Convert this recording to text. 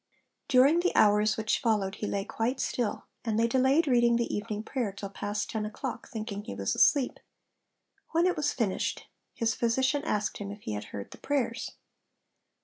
During the hours which followed he lay quite still, and they delayed reading the evening prayer till past ten o'clock, thinking he was asleep. When it was finished, his physician asked him if he had heard the prayers.